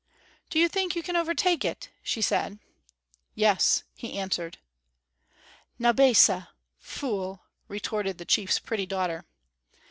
"Do you think you can overtake it?" she said. "Yes," he answered. "Naubesah fool!" retorted the chief's pretty daughter.